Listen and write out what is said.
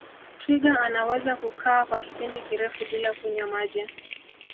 twiga anaweza kukaa kwa kipindi kirefu bila kunywa maji